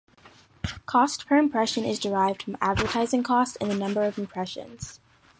Cost per impression is derived from advertising cost and the number of impressions.